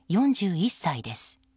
４１歳です。